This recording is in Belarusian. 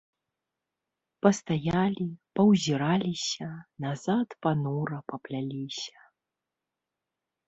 Пастаялі, паўзіраліся, назад панура папляліся.